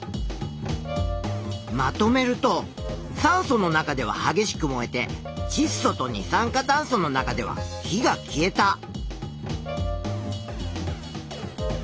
まとめると酸素の中でははげしく燃えてちっ素と二酸化炭素の中では火が消えた。